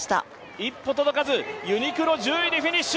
一歩届かずユニクロ、１０位でフィニッシュ。